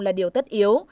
là điều tất yếu